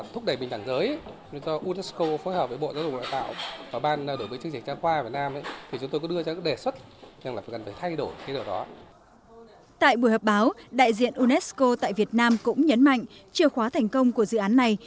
tại buổi họp báo đại diện unesco tại việt nam cũng nhấn mạnh chìa khóa thành công của dự án này